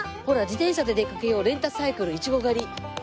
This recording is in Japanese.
ほら「自転車で出かけようレンタサイクルいちご狩り」。